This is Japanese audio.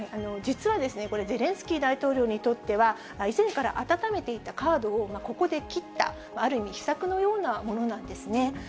実はですね、これ、ゼレンスキー大統領にとっては、以前から温めていたカードをここで切った、ある意味秘策のようなものなんですね。